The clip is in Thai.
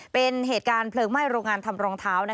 เป็นเหตุการณ์เพลิงไหม้โรงงานทำรองเท้า